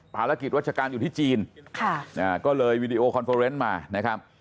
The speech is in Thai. ภารกิจวัชการอยู่ที่จีนก็เลยวีดีโอคอนเฟอร์เนสมานะครับ